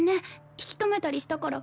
引き留めたりしたから。